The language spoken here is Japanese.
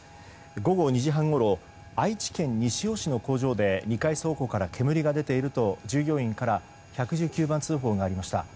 午後２時半ごろ愛知県西尾市の工場で２階倉庫から煙が出ていると従業員から１１９番通報がありました。